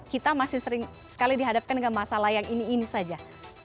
kita masih sering sekali dihadapkan dengan masalah yang ini ini saja